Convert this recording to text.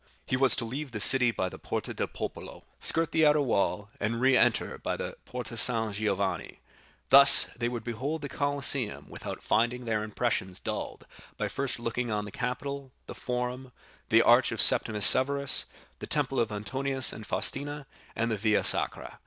He was to leave the city by the Porta del Popolo, skirt the outer wall, and re enter by the Porta San Giovanni; thus they would behold the Colosseum without finding their impressions dulled by first looking on the Capitol, the Forum, the Arch of Septimus Severus, the Temple of Antoninus and Faustina, and the Via Sacra.